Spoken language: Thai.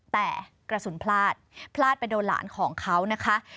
แต่กระสุนพลาดพลาดพลาดไปโดนหลานของเขานะคะ